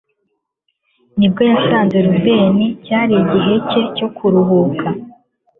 nibwo yasanze robin; cyari igihe cye cyo kuruhuka